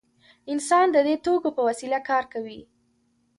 انسان د دې توکو په وسیله کار کوي.